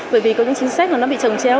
bởi vì có những chính sách bị trồng chéo